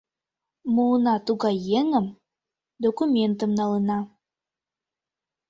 Муына тугай еҥым, документым налына.